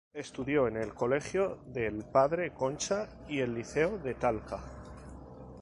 Estudió en el Colegio del Padre Concha y el Liceo de Talca.